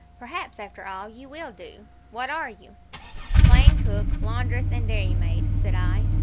Perhaps, after all, you will do. What are you?' "'Plain cook, laundress, and dairymaid,' said I.